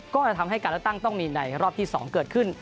ก็จะทำให้การเลือกตั้งต้องมีในรอบที่๒เกิดขึ้น